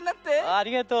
ありがとう。